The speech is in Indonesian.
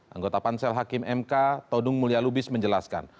anggota pansel hakim mk todung mulya lubis menjelaskan